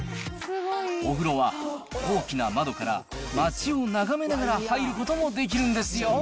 お風呂は大きな窓から街を眺めながら入ることもできるんですよ。